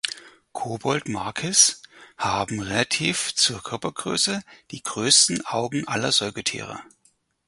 Koboldmakis haben relativ zur Körpergröße die größten Augen aller Säugetiere.